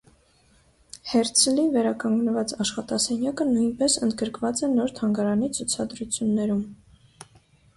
Հերցլի վերականգնված աշխատասենյակը նույնպես ընդգրկված է նոր թանգարանի ցուցադրություններում։